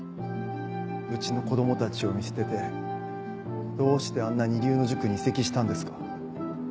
うちの子供たちを見捨ててどうしてあんな二流の塾に移籍したんですか？